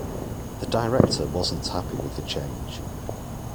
The director wasn't happy with the change.